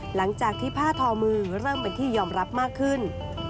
หลังจากที่ผ้าทอมือเริ่มเป็นที่ยอมรับมากขึ้น